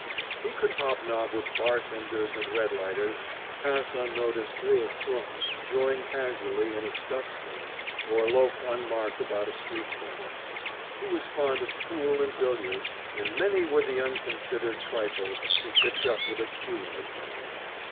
He could hobnob with bartenders and red lighters, pass unnoticed through a slum, join casually in a stuss game, or loaf unmarked about a street corner. He was fond of pool and billiards, and many were the unconsidered trifles he picked up with a cue in his hand.